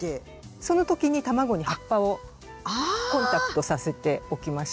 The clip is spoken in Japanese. その時に卵に葉っぱをコンタクトさせておきました。